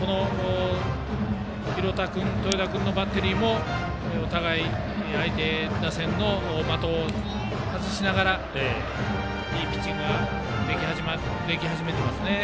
この廣田君、豊田君のバッテリーもお互い相手打線の的を外しながらいいピッチングができ始めていますね。